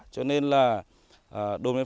cho nên là đồ mấy phát triển hiệu quả